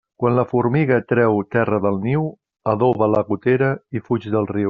Quan la formiga treu terra del niu, adoba la gotera i fuig del riu.